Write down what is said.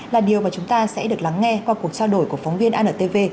là điều mà chúng ta sẽ được lắng nghe qua cuộc trao đổi của phóng viên antv